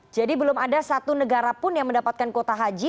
jadi belum ada satu negara pun yang mendapatkan kuota haji